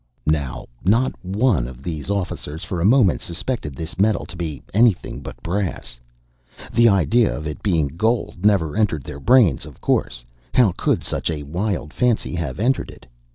Now, not one of these officers for a moment suspected this metal to be anything but brass. The idea of its being gold never entered their brains, of course; how could such a wild fancy have entered it?